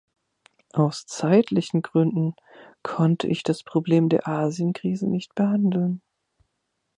Aus zeitlichen Gründen konnte ich das Problem der Asien-Krise nicht behandeln.